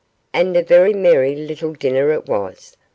And a very merry little dinner it was.